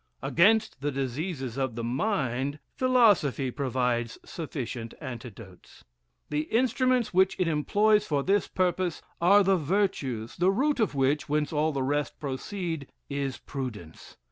Against the diseases of the mind, philosophy provides sufficient antidotes. The instruments which it employs for this purpose are the virtues; the root of which, whence all the rest proceed, is prudence.